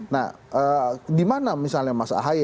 nah di mana misalnya mas ahaye